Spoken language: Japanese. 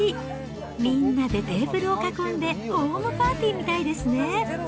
みんなでテーブルを囲んでホームパーティーみたいですね。